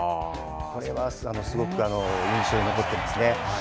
これは、すごく印象に残っていますね。